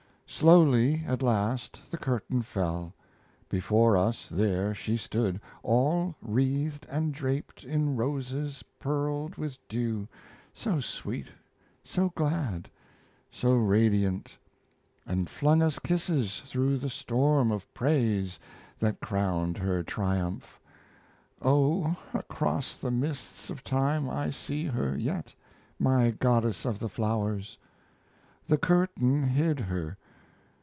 Slowly, at last, the curtain fell. Before us, there, she stood, all wreathed and draped In roses pearled with dew so sweet, so glad, So radiant! and flung us kisses through the storm Of praise that crowned her triumph.... O, Across the mists of time I see her yet, My Goddess of the Flowers! ... The curtain hid her....